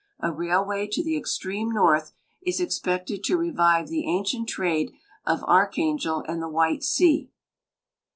A railway to the extreme north is expected to revive the ancient trade of Archangel and the White sea.